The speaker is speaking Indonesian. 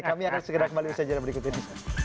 kami akan segera kembali bersajaran berikut ini